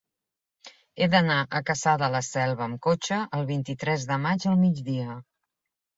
He d'anar a Cassà de la Selva amb cotxe el vint-i-tres de maig al migdia.